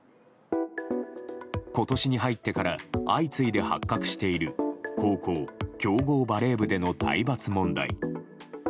今年に入ってから相次いで発覚している高校強豪バレー部での体罰問題。